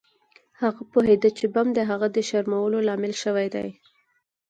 هغه پوهیده چې بم د هغه د شرمولو لامل شوی دی